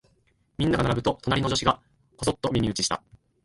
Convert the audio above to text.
みんなが並ぶと、隣の女子がこそっと耳打ちした。